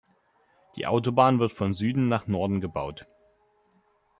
Die Autobahn wird von Süden nach Norden gebaut.